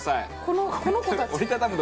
この子たち？